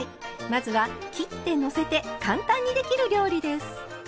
まずは切ってのせて簡単にできる料理です。